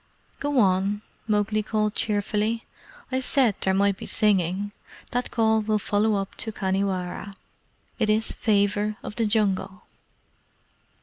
"Go on," Mowgli called cheerfully. "I said there might be singing. That call will follow up to Khanhiwara. It is Favour of the Jungle."